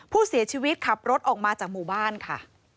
ผู้เสียชีวิตขับรถออกมาจากหมู่บ้านค่ะ